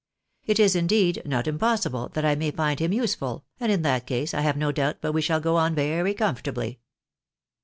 It is, indeed, not impossible that I may find him useful, and in that case I have EG doubt but we shall go on very comfortably."